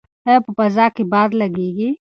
ایا په فضا کې باد لګیږي؟